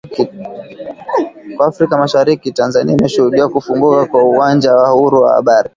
Kwa Afrika mashariki Tanzania imeshuhudia kufunguka kwa uwanja wa uhuru wa habari